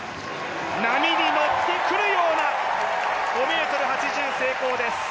波に乗ってくるような５ｍ８０成功です。